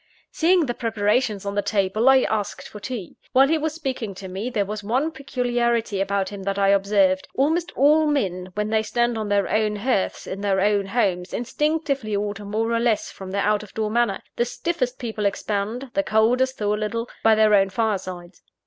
Seeing the preparations on the table, I asked for tea. While he was speaking to me, there was one peculiarity about him that I observed. Almost all men, when they stand on their own hearths, in their own homes, instinctively alter more or less from their out of door manner: the stiffest people expand, the coldest thaw a little, by their own firesides.